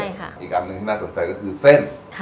อีกอันหนึ่งที่น่าสนใจก็คือเส้น